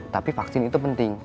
tapi vaksin itu penting